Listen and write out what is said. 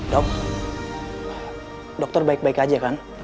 dok dokter baik baik aja kan